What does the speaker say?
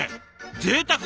ぜいたく！